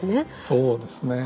そうですね。